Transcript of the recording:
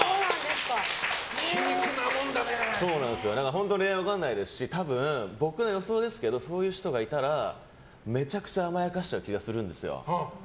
本当に恋愛は分からないですし多分、僕の予想ですけどそういう人がいたらめちゃくちゃ甘やかしちゃう気がするんですよ。